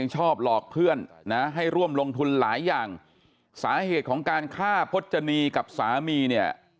ชอบหลอกเพื่อนนะให้ร่วมลงทุนหลายอย่างสาเหตุของการฆ่าพจนีกับสามีเนี่ย